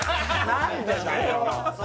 何でだよ